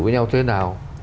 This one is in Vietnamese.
xử với nhau thế nào